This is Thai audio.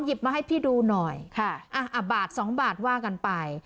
มาให้พี่ดูหน่อยค่ะบาทสองบาทว่ากันไป